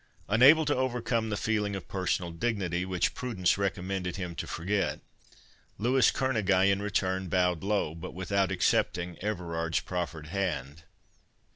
Unable to overcome the feeling of personal dignity, which prudence recommended him to forget, Louis Kerneguy in return bowed low, but without accepting Everard's proffered hand.